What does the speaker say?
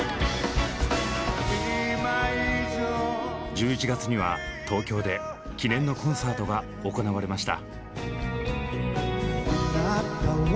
１１月には東京で記念のコンサートが行われました。